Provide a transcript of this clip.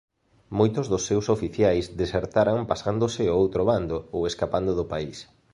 Moitos dos seus oficiais desertaran pasándose ao outro bando ou escapado do país.